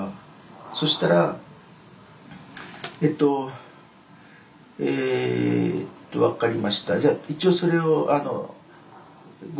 そしたらえっとえっと分かりました。